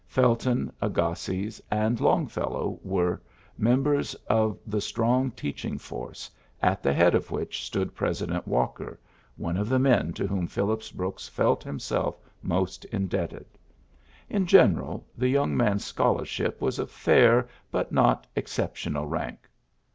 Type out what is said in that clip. Felton, Agassiz, and Long fellow were members of the strong teaching force, at the head of which stood President Walker, one of the men to whom Phillips Brooks felt himself most indebted. In general, the young man's scholarship was of fair but not exceptional rank.